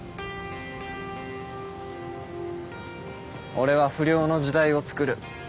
俺は不良の時代をつくる。